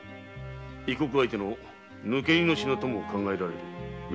異国相手の抜け荷の品とも考えられる。